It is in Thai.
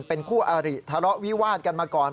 เป็นคู่อาริทะเลาะวิวาดกันมาก่อน